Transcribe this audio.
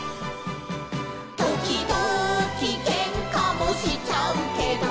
「ときどきけんかもしちゃうけど」